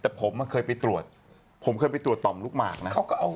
แต่ผมเคยไปตรวจผมเคยไปตรวจต่อมลูกหมากนะ